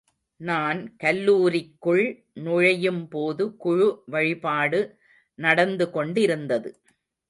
நான் கல்லூரிக்குள் நுழையும்போது குழு வழிபாடு நடந்து கொண்டிருந்தது.